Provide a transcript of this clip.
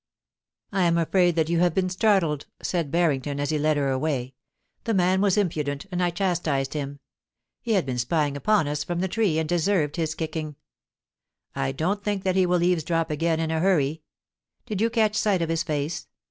' I am afraid that you have been startled,' said Barrington, as he led her away. ' The man was impudent, and I chas tised him. He had been spying upon us from the tree, and deserved his kicking. I don't think that he will eavesdrop again in a hurry. Did you catch sight of his face